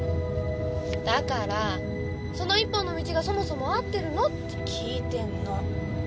だからその一本の道がそもそも合ってるのって聞いてんの。